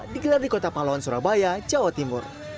digelar di kota pahlawan surabaya jawa timur